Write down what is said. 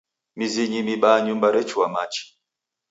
Mizinyi mibaa nyumba rechua machi.